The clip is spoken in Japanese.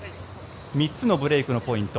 ３つのブレークのポイント。